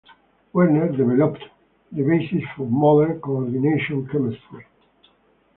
Werner developed the basis for modern coordination chemistry.